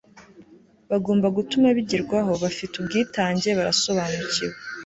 bagomba gutuma bigerwaho, bafite ubwitange, barasobanukiwe